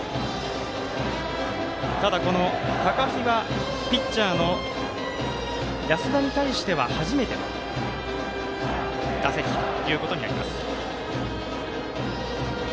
高陽はピッチャーの安田に対しては初めての打席ということになります。